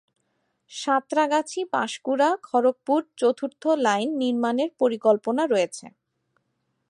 সাঁতরাগাছি-পাঁশকুড়া-খড়গপুর চতুর্থ লাইন নির্মাণের পরিকল্পনা রয়েছে।